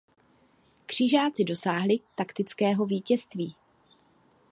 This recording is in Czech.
Křižáci dosáhli taktického vítězství.